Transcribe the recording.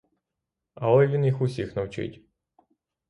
Але він їх усіх навчить.